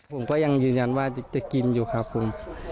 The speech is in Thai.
ผมก็ยังยืนยันว่าจะกินอยู่ครับผม